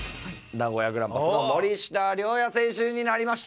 名古屋グランパスの森下龍矢選手になりました。